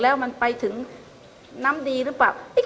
แล้วมันไปถึงน้ำดีหรือเปล่า